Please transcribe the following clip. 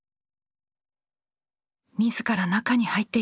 自ら中に入っていきます。